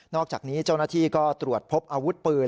อกจากนี้เจ้าหน้าที่ก็ตรวจพบอาวุธปืน